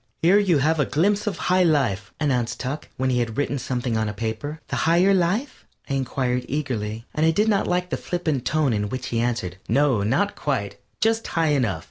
"Here you have a glimpse of High Life," announced Tuck, when he had written something on a paper. "The Higher Life?" I inquired, eagerly, and I did not like the flippant tone in which he answered: "No, not quite just high enough."